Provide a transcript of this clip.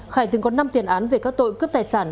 khải từng có năm tiền án về các tội cướp tài sản